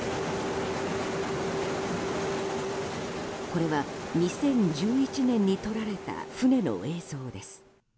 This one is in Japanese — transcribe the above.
これは２０１１年に撮られた船の映像です。